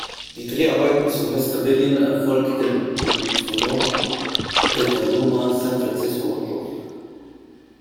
Die Dreharbeiten zu "Mister Billion" erfolgten in Sonoma, Petaluma, San Francisco und Rom.